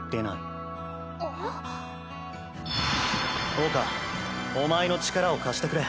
桜花お前の力を貸してくれ。